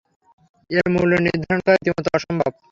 এর মূল্য নির্ধারণ করা রীতিমতো অসম্ভব।